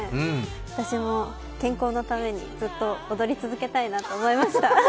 私も健康のために、ずっと踊り続けたいなと思いました。